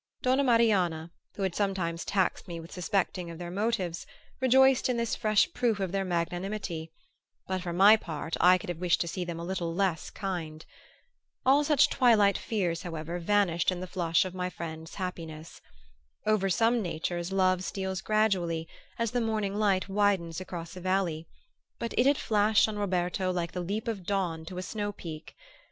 Donna Marianna, who had sometimes taxed me with suspecting their motives, rejoiced in this fresh proof of their magnanimity; but for my part I could have wished to see them a little less kind. All such twilight fears, however, vanished in the flush of my friend's happiness. Over some natures love steals gradually, as the morning light widens across a valley; but it had flashed on Roberto like the leap of dawn to a snow peak.